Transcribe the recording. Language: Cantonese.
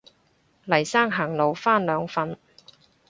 黎生行路返兩份